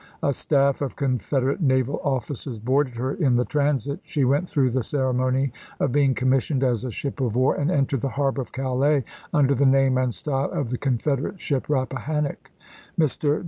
A staff of Confederate naval officers boarded her in the transit ; she went through the ceremony of being commissioned as a ship of war, and entered the harbor of Calais under the name and style of the Confederate ship Rappahannock. Mr.